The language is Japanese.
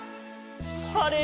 「あれ？